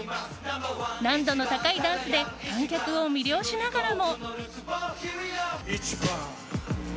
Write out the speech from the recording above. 難度の高いダンスで観客を魅了しながらも。